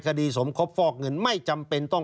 คดีสมคบฟอกเงินไม่จำเป็นต้อง